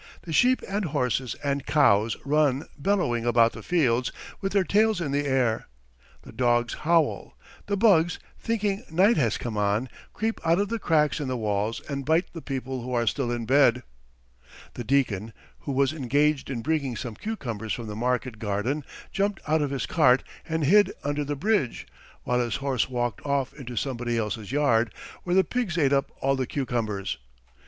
The sheep and horses and cows run bellowing about the fields with their tails in the air. The dogs howl. The bugs, thinking night has come on, creep out of the cracks in the walls and bite the people who are still in bed. The deacon, who was engaged in bringing some cucumbers from the market garden, jumped out of his cart and hid under the bridge; while his horse walked off into somebody else's yard, where the pigs ate up all the cucumbers.